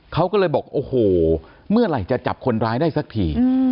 เขาก็เลยบอกโอ้โหเมื่อไหร่จะจับคนร้ายได้สักที